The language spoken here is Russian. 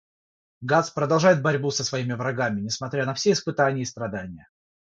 Гатс продолжает борьбу со своими врагами, несмотря на все испытания и страдания.